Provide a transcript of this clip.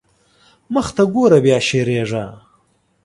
مخته ګوره بيا شېرېږا.